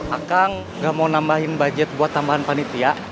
akang nggak mau nambahin budget buat tambahan panitia